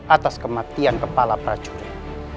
atas kematian kepala prajurit